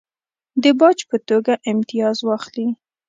د باج په توګه امتیاز واخلي.